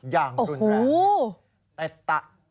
อย่างรุนแรง